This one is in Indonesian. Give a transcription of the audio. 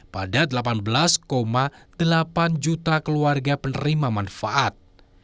pada delapan belas delapan juta keluarga penerima manfaat